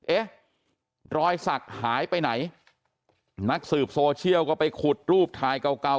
เอ๊ะรอยสักหายไปไหนนักสืบโซเชียลก็ไปขุดรูปถ่ายเก่าเก่า